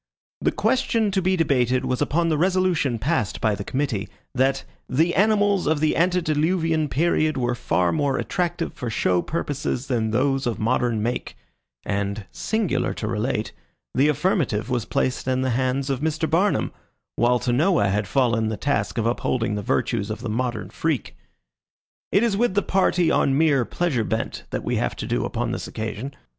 The question to be debated was upon the resolution passed by the committee, that "The Animals of the Antediluvian Period were Far More Attractive for Show Purposes than those of Modern Make," and, singular to relate, the affirmative was placed in the hands of Mr. Barnum, while to Noah had fallen the task of upholding the virtues of the modern freak. It is with the party on mere pleasure bent that we have to do upon this occasion.